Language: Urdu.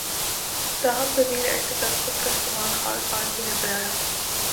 تاہم ، طویل عرصے تک اس کا استعمال خال خال ہی نظر آیا